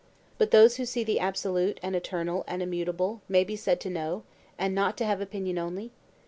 But those who see the absolute and eternal and immutable may be said to know, and not to have opinion only?